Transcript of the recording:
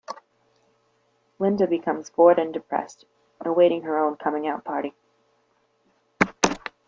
Linda becomes bored and depressed, awaiting her own coming-out party.